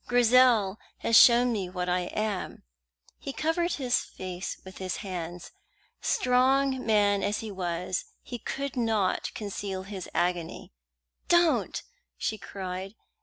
Grizel has shown me what I am." He covered his face with his hands. Strong man as he was, he could not conceal his agony. "Don't!" she cried.